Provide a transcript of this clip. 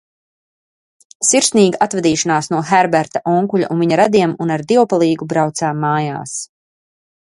Sirsnīga atvadīšanās no Herberta onkuļa un viņa radiem un ar Dievpalīgu braucām mājās.